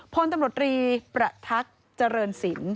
พลตำรวจรีประทับเจริญสิน